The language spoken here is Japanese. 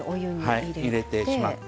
入れてしまって。